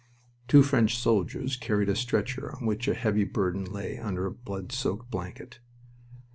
Two French soldiers carried a stretcher on which a heavy burden lay under a blood soaked blanket.